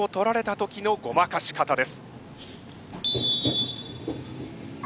古典的ごまかし方です。